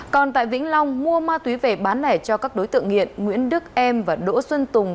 còn tại vĩnh long mua ma túy về bán lẻ cho các đối tượng nghiện nguyễn đức em và đỗ xuân tùng